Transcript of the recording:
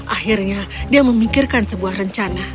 akhirnya dia memikirkan sebuah rencana